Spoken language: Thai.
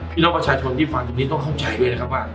พี่น้องประชาชนที่ฟังตรงนี้ต้องเข้าใจด้วยนะครับว่า